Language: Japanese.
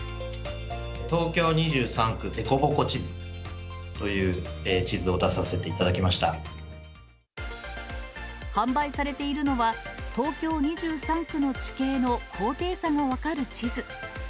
東京２３区凸凹地図という地販売されているのは、東京２３区の地形の高低差が分かる地図。